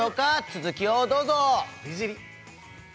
続きをどうぞ美尻！